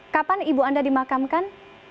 kapan ibu anda dimakamkan